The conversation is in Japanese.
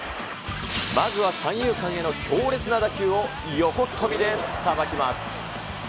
まずは三遊間への強烈な打球を、横っ飛びでさばきます。